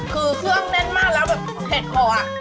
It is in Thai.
คือเครื่องแน่นมากแล้วเห็ดพอ